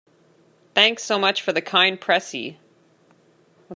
Thanks so much for the kind pressie.